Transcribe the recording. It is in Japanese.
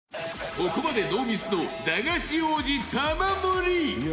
ここまでノーミスの駄菓子王子・玉森！